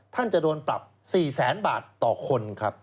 ท่านจะโดนตับสี่แสนบาทต่อคนครับ